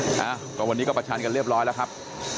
ฮะก็วันนี้ก็ประชันกันเรียบร้อยแล้วครับ